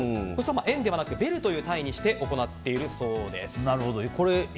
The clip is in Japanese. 円ではなくベルという単位で行っているそうです。